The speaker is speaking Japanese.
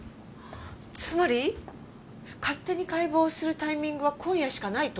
つまり勝手に解剖するタイミングは今夜しかないと？